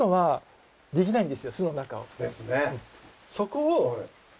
ですね。